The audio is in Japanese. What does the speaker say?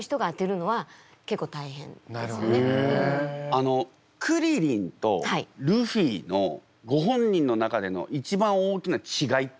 あのクリリンとルフィのご本人の中での一番大きな違いってあるんですか？